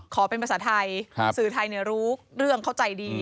ขอเป็นภาษาไทยสื่อไทยรู้เรื่องเข้าใจดี